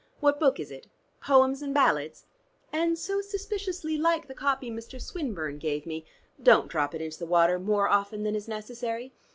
What book is it? 'Poems and Ballads?' And so suspiciously like the copy Mr. Swinburne gave me. Don't drop it into the water more often than is necessary.